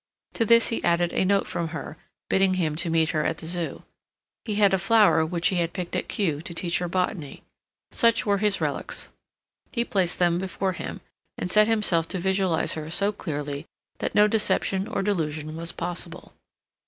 To this he added a note from her, bidding him meet her at the Zoo. He had a flower which he had picked at Kew to teach her botany. Such were his relics. He placed them before him, and set himself to visualize her so clearly that no deception or delusion was possible.